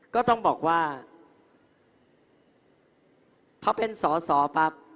ก็ต้องบอกว่าพอเป็นสอสอปั๊บ